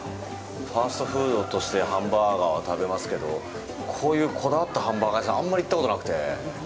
ファストフードとしてハンバーガーは食べますけど、こういうこだわったハンバーガー屋さんはあんまり行ったことがなくて。